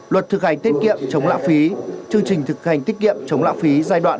luật thực hành tiết kiệm chống lã phí chương trình thực hành tiết kiệm chống lã phí giai đoạn hai nghìn hai mươi một